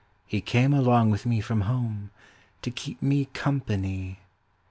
He came along with me from home To keep me company.